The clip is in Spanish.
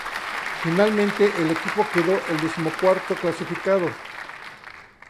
Finalmente, el equipo quedó el decimocuarto clasificado.